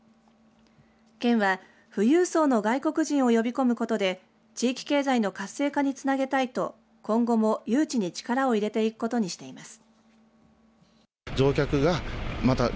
県は富裕層の外国人を呼び込むことで地域経済の活性化につなげたいと今後も誘致に力を入れていくことにしています。